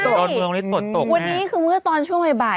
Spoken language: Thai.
แต่วันเมืองนี้ฝนตกแน่ะใช่วันนี้คือเมื่อตอนชั่วโมยบ่าย